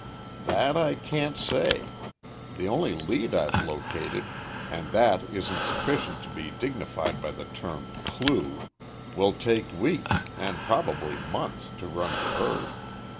"That I can't say. The only lead I've located and that isn't sufficient to be dignified by the term 'clue' will take weeks and probably months to run to earth.